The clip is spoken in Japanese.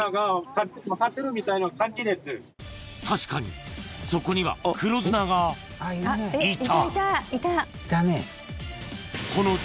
確かにそこには黒ズナがいた